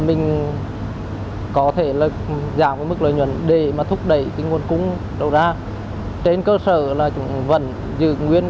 mình có thể giảm mức lợi nhuận để mà thúc đẩy nguồn cung đầu ra trên cơ sở là chúng vẫn giữ nguyên